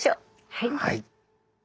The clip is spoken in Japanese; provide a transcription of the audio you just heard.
はい。